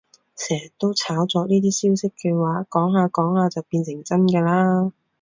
成日都炒作呢啲消息嘅話，講下講下就變成真㗎喇